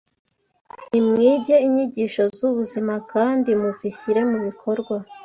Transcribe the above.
Nimwige inyigisho z’ubuzima, kandi muzishyire mu bikorwa